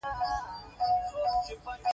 پاک ساتم ځایونه مې